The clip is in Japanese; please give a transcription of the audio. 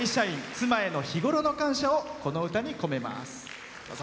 妻への日ごろの感謝をこの歌に込めます。